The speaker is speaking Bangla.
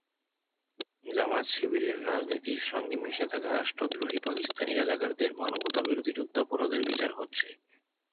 জামায়াত-শিবিরের রাজনীতির সঙ্গে মিশে থাকা রাষ্ট্রদ্রোহী পাকিস্তানি রাজাকারদের মানবতাবিরোধী যুদ্ধাপরাধের বিচার হচ্ছে।